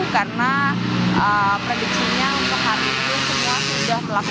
karena prediksinya untuk hari ini semua sudah berlaku ke turi selati rasti ke keluarga keluarga